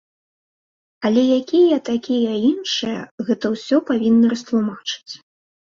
Але якія такія іншыя, гэта ўсё павінны растлумачыць.